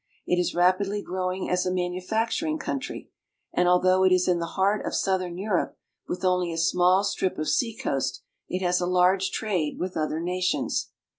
It is rapidly growing as a manufacturing country, and although it is in the heart of southern Europe, with only a small strip of seacoast, it has a large trade with other nations.